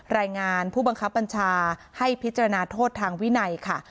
รายงานผู้บังคับบัญชาให้พิจารณาโทษทางวินัยค่ะ